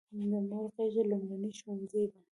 د مور غیږه لومړنی ښوونځی دی.